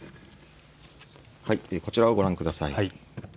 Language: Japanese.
こちらをご覧ください。